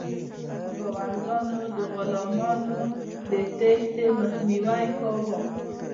خاوندانو د غلامانو د تیښتې مخنیوی کاوه.